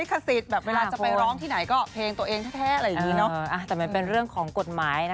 ก็เพลงก่อนตายนะ